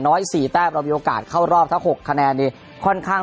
สี่แต้มเรามีโอกาสเข้ารอบทั้ง๖คะแนนนี่ค่อนข้าง